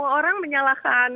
ya semua orang menyalahkan